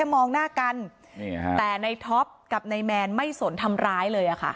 มองหน้ากันแต่ในท็อปกับนายแมนไม่สนทำร้ายเลยค่ะ